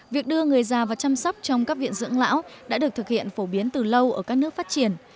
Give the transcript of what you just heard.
việc đưa người già và chăm sóc trong các viện dưỡng lão đã được thực hiện phổ biến từ lâu ở các nước phát triển